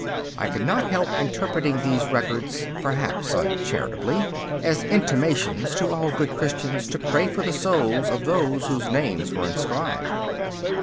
I could not help interpreting these records perhaps uncharitably as intimations to all good Christians to pray for the souls of those whose names were inscribed.